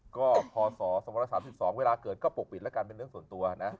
ก็พศ๒๐๓๒เวลาเกิดก็ปกปิดแล้วกันเป็นเรื่องส่วนตัวนะ